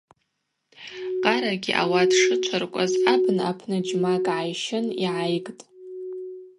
Къарагьи ауат шычваркӏваз абна апны джьмакӏ гӏайщын йгӏайгтӏ.